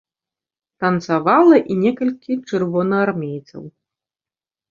Танцавала і некалькі чырвонаармейцаў.